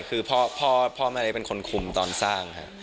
คือพ่อแม่เล็กเป็นคนคุมตอนสร้างครับ